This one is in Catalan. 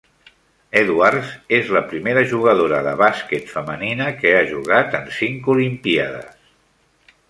Edwards és la primera jugadora de bàsquet femenina que ha jugat en cinc Olimpíades.